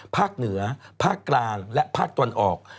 ภาคเหนือภาคกลางและภาคตะวันออก